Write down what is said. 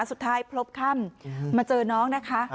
สุดท้ายพบค่ำมาเจอน้องนะคะ